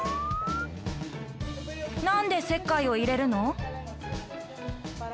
何で石灰を入れるの？